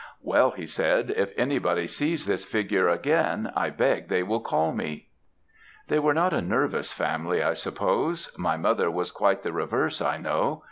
"'Well,' he said, 'if anybody sees this figure again, I beg they will call me!' "They were not a nervous family, I suppose; my mother was quite the reverse, I know.